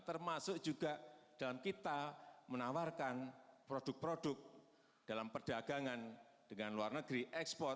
termasuk juga dalam kita menawarkan produk produk dalam perdagangan dengan luar negeri ekspor